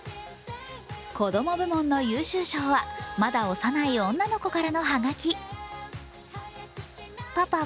子ども部門の優秀賞は、まだ幼い女の子からのハガキ。